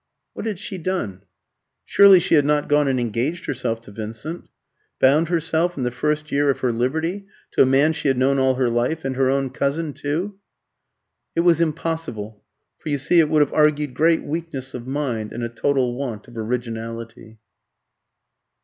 What had she done? Surely she had not gone and engaged herself to Vincent? bound herself in the first year of her liberty to a man she had known all her life, and her own cousin too? It was impossible; for, you see, it would have argued great weakness of mind and a total want of originality.